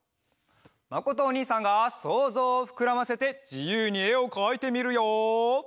まことおにいさんがそうぞうをふくらませてじゆうにえをかいてみるよ！